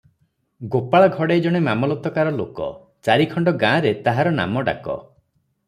ଗୋପାଳ ଘଡ଼େଇ ଜଣେ ମାମଲତକାର ଲୋକ, ଚାରିଖଣ୍ଡ ଗାଁରେ ତାହାର ନାମ ଡାକ ।